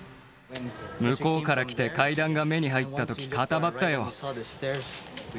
向こうから来て階段が目に入ったとき、固まったよ。